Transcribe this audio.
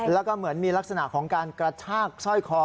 แล้วก็เหมือนมีลักษณะของการกระชากสร้อยคอ